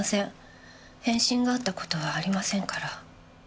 返信があった事はありませんから。